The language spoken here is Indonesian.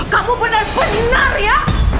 kamu benar benar ya